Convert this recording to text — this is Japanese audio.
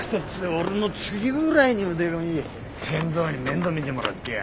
俺の次ぐらいに腕のいい船頭に面倒見てもらってよ。